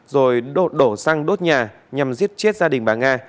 rồi đổ xăng đốt nhà nhằm giết chết gia đình bà nga